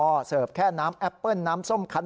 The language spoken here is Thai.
แต่มีการเสิร์ฟแอลกอฮอล์น้ำแอปเปิลน้ำส้มขัน